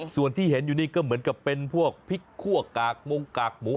ส่วนที่เห็นอยู่นี่ก็เหมือนกับเป็นพวกพริกคั่วกากมงกากหมู